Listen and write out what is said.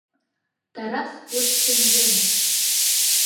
Тарас пӧрт шеҥгелне.